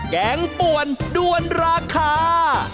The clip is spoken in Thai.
แกงป่วนด้วนราคา